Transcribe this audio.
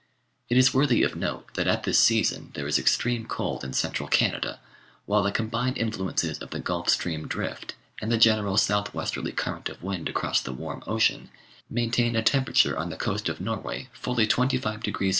It is worthy of note that at this season there is extreme cold in central Canada, while the combined influences of the Gulf Stream Drift and the general south westerly current of wind across the warm ocean maintain a temperature on the coast of Norway fully 25 F.